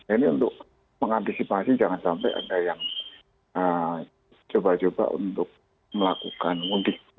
ini untuk mengantisipasi jangan sampai ada yang coba coba untuk melakukan mudik